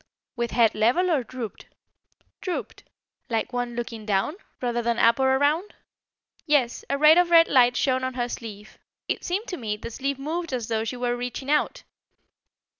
"With head level or drooped?" "Drooped." "Like one looking down, rather than up, or around?" "Yes. A ray of red light shone on her sleeve. It seemed to me the sleeve moved as though she were reaching out."